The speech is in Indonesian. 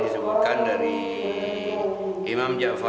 ada peketerangan dari dalam kitab nazatul majalis